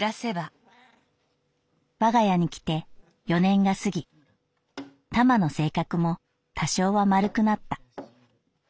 「我家に来て四年が過ぎタマの性格も多少は丸くなった。